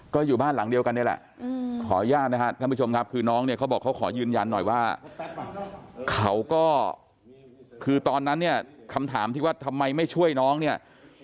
ก็อยู่บ้านหลังเดียวกันนี่แหละขออนุญาตนะครับท่านผู้ชมครับคือน้องเนี่ยเขาบอกเขาขอยืนยันหน่อยว่าเขาก็คือตอนนั้นเนี่ยคำถามที่ว่าทำไมไม่ช่วยน้องเนี่ย